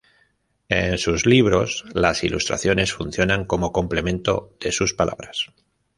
En sus libros, las ilustraciones funcionan como complemento de sus palabras.